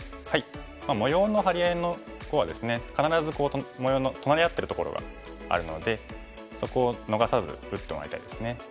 模様の張り合いの碁はですね必ず模様の隣り合ってるところがあるのでそこを逃さず打ってもらいたいですね。